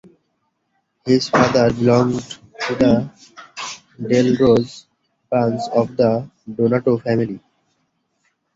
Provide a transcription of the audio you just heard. His father belonged to the "dalle Rose" branch of the Donato family.